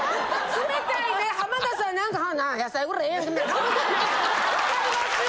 冷たいね浜田さん何か野菜ぐらいええやんけみたいな顔分かりますよ！